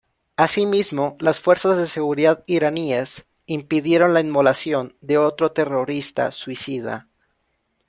Asimismo, las fuerzas de seguridad iraníes impidieron la inmolación de otro terrorista suicida.